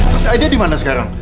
mas aida dimana sekarang